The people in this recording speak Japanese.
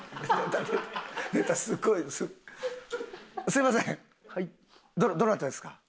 すみませんどなたですか？